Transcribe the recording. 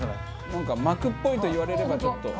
なんか膜っぽいと言われればちょっと。